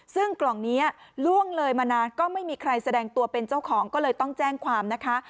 ซึ่งกล่องนี้ล่วงเลยมานานก็ไม่มีใครแสดงตัวเป็นเจ้าของก็เลยต้องแจ้งความนะคะ